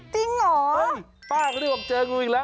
จริงเหรอเฮ้ยป้าเรื่องไว้ข้างหน้าได้ก่อนเจองูอีกแล้ว